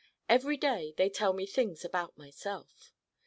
Every day they tell me things about myself.